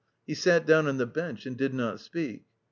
He sat down on the bench and did not speak.